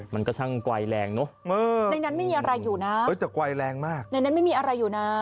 มันก็ช่างไกลแรงเนอะในนั้นไม่มีอะไรอยู่นะแต่ไกลแรงมากในนั้นไม่มีอะไรอยู่นะ